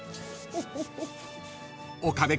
［岡部君